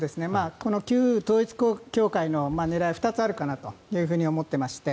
この旧統一教会の狙いは２つあるかなと思っていまして